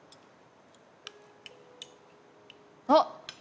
あっ！